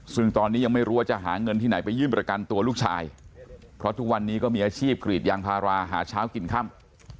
ซึ่งตอนนี้ยังไม่รู้ว่าจะหาเงินที่ไหนไปยื่นประกันตัวลูกชายเพราะทุกวันนี้ก็มีอาชีพกรีดยางพาราหาเช้ากินค่ำ